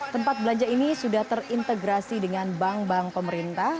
tempat belanja ini sudah terintegrasi dengan bank bank pemerintah